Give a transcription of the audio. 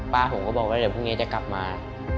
ผมก็บอกว่าเดี๋ยวพรุ่งนี้จะกลับมา